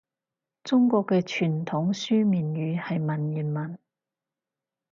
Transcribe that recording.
中國嘅傳統書面語係文言文